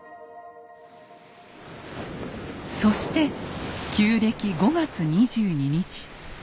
そして旧暦５月２２日。